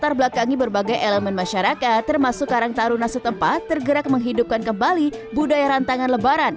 latar belakangi berbagai elemen masyarakat termasuk karang taruna setempat tergerak menghidupkan kembali budaya rantangan lebaran